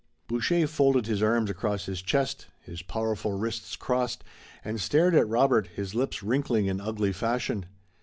Boucher folded his arms across his chest, his powerful wrists crossed, and stared at Robert, his lips wrinkling in ugly fashion.